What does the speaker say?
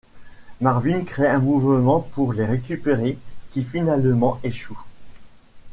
Marvin crée un mouvement pour les récupérer, qui finalement échoue.